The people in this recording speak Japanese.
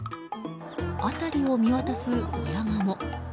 辺りを見渡す親ガモ。